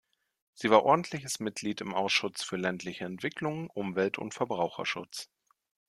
Sie war ordentliches Mitglied im Ausschuss für ländliche Entwicklung, Umwelt und Verbraucherschutz.